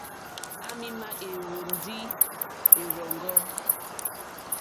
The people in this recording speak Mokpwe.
À mì má ɛ̀hwɔ̀ndí ɛ́rzɔ́ŋɔ́.